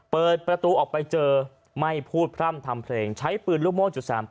เปิดประตูออกไปเจอไม่พูดพร่ำทำเพลงใช้ปืนลูกโม่จุด๓๘